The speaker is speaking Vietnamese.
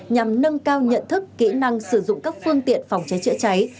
nhằm nâng cao nhận thức kỹ năng sử dụng các phương tiện phòng cháy chữa cháy